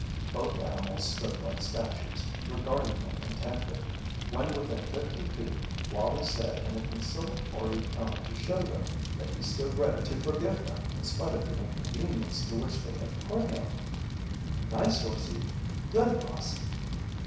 Both animals stood like statues, regarding him intently. When within fifty feet Wallie said in a conciliatory tone to show them that he stood ready to forgive them in spite of the inconvenience to which they had put him: "Nice horsey! Good bossy!"